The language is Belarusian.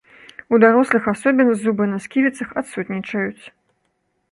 У дарослых асобін зубы на сківіцах адсутнічаюць.